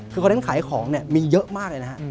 คือคอนเทนต์ขายของมีเยอะมากเลยนะครับ